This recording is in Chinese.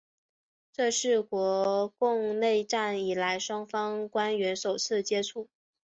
这是国共内战以后双方官员首次接触。